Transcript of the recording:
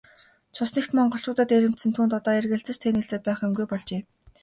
Цус нэгт монголчуудаа дээрэмдсэн түүнд одоо эргэлзэж тээнэгэлзээд байх юмгүй болжээ.